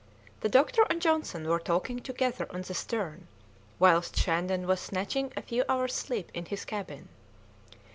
The doctor and Johnson were talking together on the stern, whilst Shandon was snatching a few hours' sleep in his cabin.